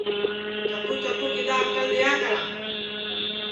چکُو چکُو کِدؔا اکل دؔئیا کرا